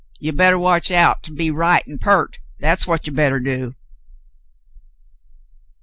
You bettah watch out to be right good and peart ; that's what you bettah do."